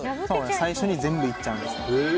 最初に全部いっちゃうんです。